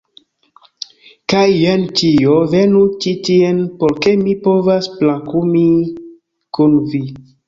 Kaj jen ĉio, venu ĉi tien, por ke mi povas brakumi kun vi